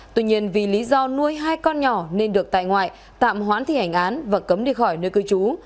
tuy nhiên vì lý do nuôi hai con nhỏ nên được tại ngoại tạm hoãn thi hành án và cấm đi khỏi nơi cư trú